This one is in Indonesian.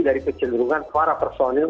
dari kecenderungan para personil